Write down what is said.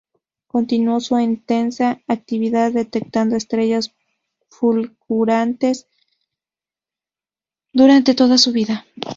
Continuó su intensa actividad detectando estrellas fulgurantes durante toda su vida.